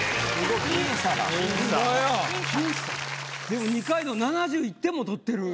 でも二階堂７１点も取ってる。